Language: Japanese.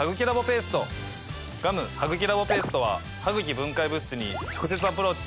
ガム・ハグキラボペーストはハグキ分解物質に直接アプローチ。